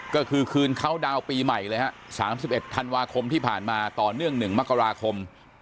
ก็คือคืนเขาดาวน์ปีใหม่เลยฮะ๓๑ธันวาคมที่ผ่านมาต่อเนื่อง๑มกราคม